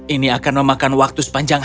ini akan memakan waktu sepanjang